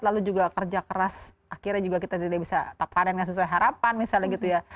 lalu juga kerja keras akhirnya juga kita tidak bisa taparinkan sesuai harapan misalnya gitu ya